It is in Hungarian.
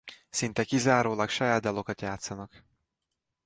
Szinte kizárólag saját dalokat játszanak.